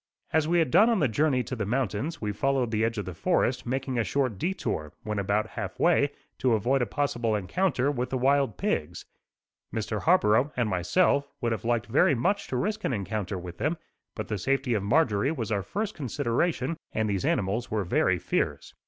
As we had done on the journey to the mountains, we followed the edge of the forest making a short detour, when about half way, to avoid a possible encounter with the wild pigs. Mr. Harborough and myself would have liked very much to risk an encounter with them, but the safety of Marjorie was our first consideration, and these animals were very fierce.